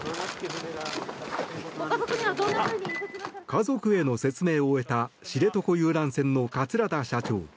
家族への説明を終えた知床遊覧船の桂田社長。